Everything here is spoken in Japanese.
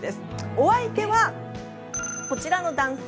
お相手は、こちらの男性。